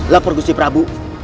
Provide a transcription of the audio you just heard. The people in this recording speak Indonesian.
lapor gusti prabu